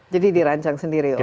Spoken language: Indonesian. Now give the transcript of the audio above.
jadi dirancang sendiri oleh chris